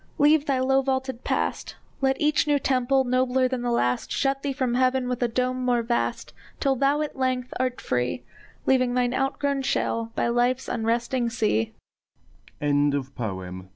Leave thy low vaulted past! Let each new temple, nobler than the last, Shut thee from heaven with a dome more vast, Till thou at length art free, Leaving thine outgrown shell by life's unresting sea!